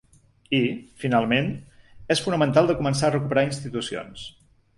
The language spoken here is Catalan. I, finalment, és fonamental de començar a recuperar institucions.